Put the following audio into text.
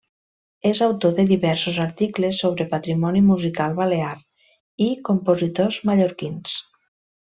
És autor de diversos articles sobre patrimoni musical balear i compositors mallorquins.